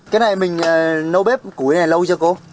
cái này mình nấu bếp củi này lâu chưa cô